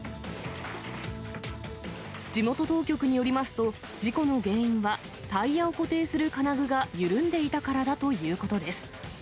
地元当局によりますと、事故の原因はタイヤを固定する金具が緩んでいたからだということです。